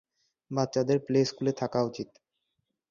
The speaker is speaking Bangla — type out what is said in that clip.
বাচ্চাদের প্লে স্কুলে থাকা উচিত।